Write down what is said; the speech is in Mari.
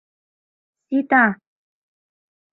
Сита-а-а...